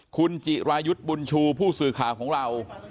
คุณจิรายุทธ์บุญชูผู้สื่อข่าวของเรา